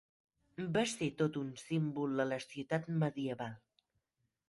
Va ser tot un símbol a la ciutat medieval.